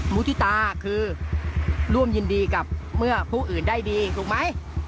มุฒิตาคือร่วมยินดีกับเมื่อผู้อื่นได้ดีถูกไหม